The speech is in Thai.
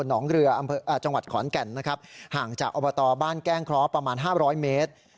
จังหวัดขอนแก่นห่างจากอบตบ้านแกล้งเคราะห์ประมาณ๕๐๐เมตร